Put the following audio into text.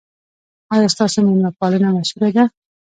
ایا ستاسو میلمه پالنه مشهوره ده؟